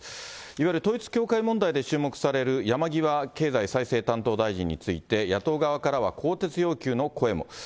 いわゆる統一教会問題で注目される山際経済再生担当大臣について、野党側からは更迭要求の声も。